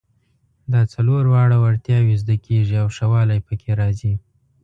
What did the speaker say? دا څلور واړه وړتیاوې زده کیږي او ښه والی پکې راځي.